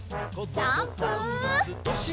ジャンプ！